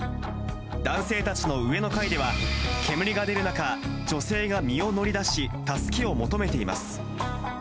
男性たちの上の階では煙が出る中、女性が身を乗り出し、助けを求めています。